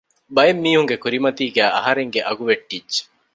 ބައެއް މީހުންގެ ކުރިމަތީގައި އަހަރެންގެ އަގު ވެއްޓިއްޖެ